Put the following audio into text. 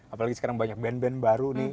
apalagi sekarang banyak band band baru nih